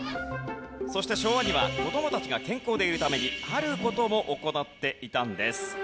そして昭和には子どもたちが健康でいるためにある事も行っていたんです。